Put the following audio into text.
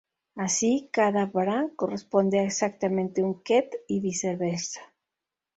Así, cada "bra" corresponde a exactamente un "ket", y viceversa.